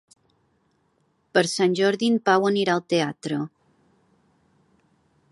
Per Sant Jordi en Pau anirà al teatre.